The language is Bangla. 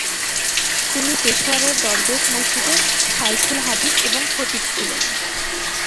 তিনি পেশোয়ারের দরবেশ মসজিদের শাইখুল হাদিস এবং খতিব ছিলেন।